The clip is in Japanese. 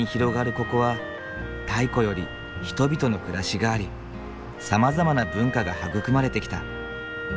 ここは太古より人々の暮らしがありさまざまな文化が育まれてきた。